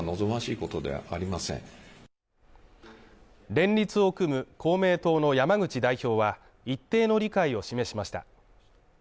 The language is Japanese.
連立を組む公明党の山口代表は一定の理解を示しました。